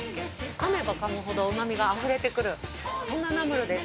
かめばかむほどうま味があふれてくるそんなナムルです。